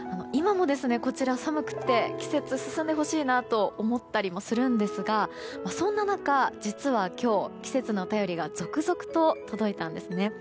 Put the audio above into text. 今もこちらは寒くて季節、進んでほしいと思ったりもするんですがそんな中、実は今日季節の便りが続々と届いたんですね。